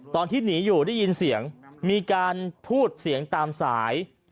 ตอนที่หนีอยู่ได้ยินเสียงมีการพูดเสียงตามสาย